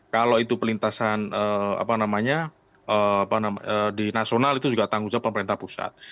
kalau itu pelintasan di nasional itu juga tanggung jawab pemerintah pusat